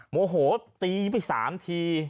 โมโหตีไปสามที